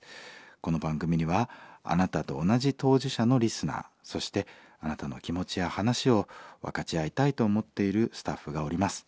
この番組にはあなたと同じ当事者のリスナーそしてあなたの気持ちや話を分かち合いたいと思っているスタッフがおります。